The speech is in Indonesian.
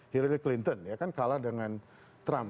hillary clinton ya kan kalah dengan trump